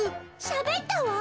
しゃべったわ。